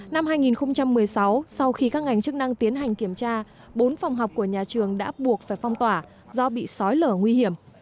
năm hai nghìn một mươi sáu sau khi các ngành chức năng tiến hành kiểm tra bốn phòng học của nhà trường đã buộc phải phong tỏa do bị sói lở nguy hiểm